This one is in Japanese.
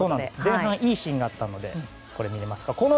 前半いいシーンがあったんです。